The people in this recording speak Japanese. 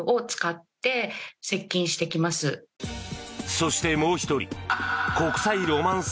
そして、もう１人国際ロマンス